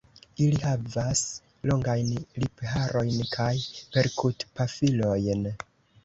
Ili havas longajn lipharojn kaj perkutpafilojn.